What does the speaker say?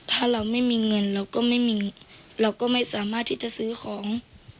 ถ้าเราไม่มีเงินเราก็ไม่สามารถที่จะซื้อของ